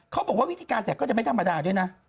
เขาบอกว่าวิธีการแจกก็จะไม่ธรรมดาด้วยนะ